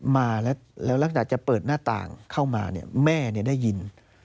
มาแล้วหลังจากจะเปิดหน้าต่างเข้ามาเนี่ยแม่ได้ยิน